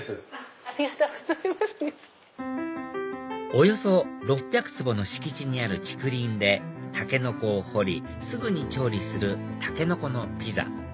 およそ６００坪の敷地にある竹林でタケノコを掘りすぐに調理するたけのこのピザ